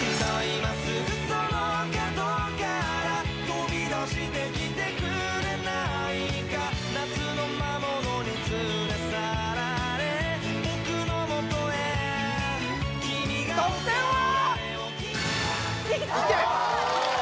今すぐその角から飛び出してきてくれないか夏の魔物に連れ去られ僕のもとへ得点はいいよ